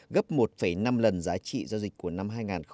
gấp một năm lần giá trị giao dịch của năm hai nghìn một mươi năm